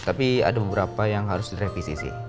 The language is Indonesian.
tapi ada beberapa yang harus direvisi sih